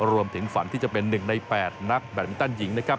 รวมถึงฝันที่จะเป็น๑ใน๘นักแบตมินตันหญิงนะครับ